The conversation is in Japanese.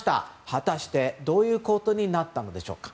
果たしてどういうことになったのでしょうか。